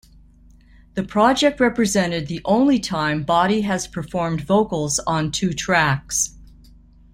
The project represented the only time Botti has performed vocals on two tracks.